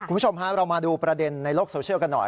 คุณผู้ชมฮะเรามาดูประเด็นในโลกโซเชียลกันหน่อย